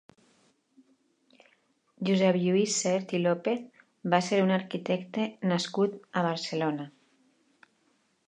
Josep Lluís Sert i López va ser un arquitecte nascut a Barcelona.